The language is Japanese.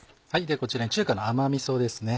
こちらに中華の甘みそですね